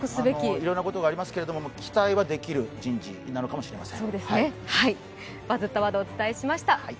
いろいろなことがありますけれども期待はできる人事なのかもしれません。